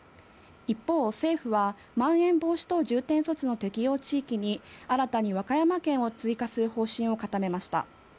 一方、政府は、まん延防止等重点措置の適用地域に新たに和歌山県を追加する方針を固めました。